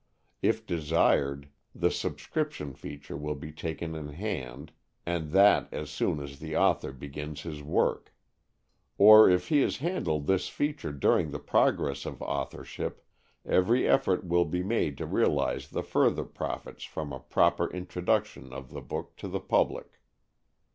If desired, the "subscription" feature will be taken in hand, and that as soon as the author begins his work. Or if he has handled this feature during the progress of authorship, every effort will be made to realize the further profits from a proper introduction of the book to the public.